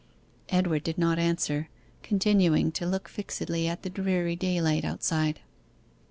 Edward did not answer, continuing to look fixedly at the dreary daylight outside.